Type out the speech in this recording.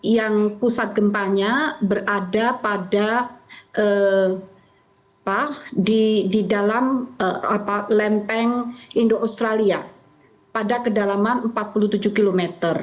yang pusat gempanya berada pada di dalam lempeng indo australia pada kedalaman empat puluh tujuh km